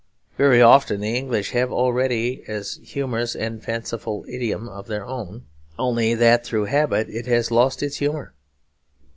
Very often the English have already as humorous and fanciful idiom of their own, only that through habit it has lost its humour.